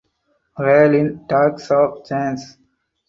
Raylan talks of change.